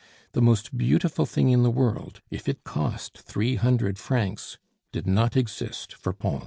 The most beautiful thing in the world, if it cost three hundred francs, did not exist for Pons.